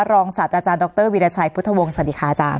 สัตว์อาจารย์ดรวิราชัยพุทธวงศ์สวัสดีค่ะอาจารย